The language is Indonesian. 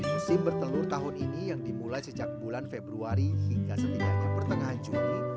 musim bertelur tahun ini yang dimulai sejak bulan februari hingga setidaknya pertengahan juli